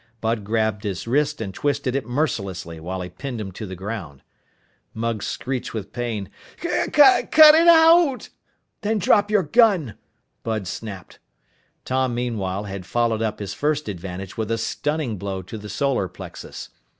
Bud grabbed his wrist and twisted it mercilessly while he pinned him to the ground. Mugs screeched with pain. "C c cut it out!" "Then drop your gun!" Bud snapped. Tom, meanwhile, had followed up his first advantage with a stunning blow to the solar plexus.